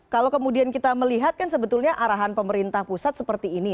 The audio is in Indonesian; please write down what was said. kalau kemudian kita melihat kan sebetulnya arahan pemerintah pusat seperti ini